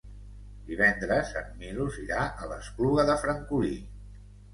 Divendres en Milos irà a l'Espluga de Francolí.